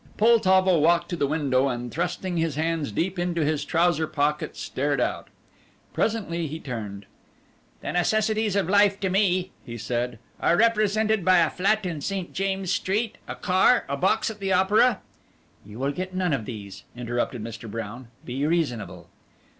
Poltavo walked to the window and thrusting his hands deep into his trouser pockets stared out. Presently he turned. "The necessities of life to me," he said, "are represented by a flat in St. James's Street, a car, a box at the Opera " "You will get none of these," interrupted Mr. Brown. "Be reasonable."